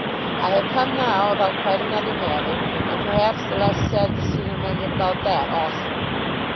"I have come now about quite another matter, and perhaps, the less said the sooner mended about that also.